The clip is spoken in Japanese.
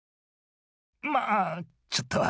まあちょっとは。